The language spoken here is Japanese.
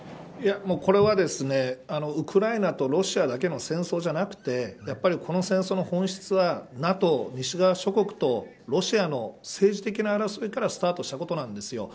これは、クライナとロシアだけの戦争じゃなくてやはり、この戦争の本質はＮＡＴＯ、西側諸国とロシアの政治的な争いからスタートしていることなんです。